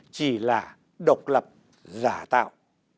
chỉ là độc lập giả tạo